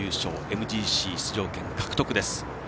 ＭＧＣ出場権獲得です。